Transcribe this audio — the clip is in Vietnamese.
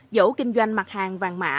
dẫu kinh doanh mặt hàng vàng mã